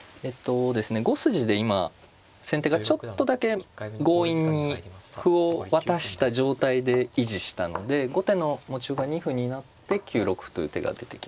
５筋で今先手がちょっとだけ強引に歩を渡した状態で維持したので後手の持ち歩が２歩になって９六歩という手が出てきました。